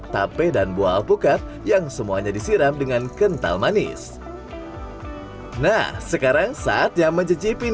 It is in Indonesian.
tape dan buah alpukat yang semuanya disiram dengan kental manis nah sekarang saatnya mencicipi